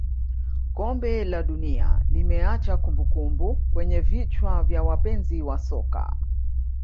kombe la dunia limeacha kumbukumbu kwenye vichwa vya wapenzi wa soka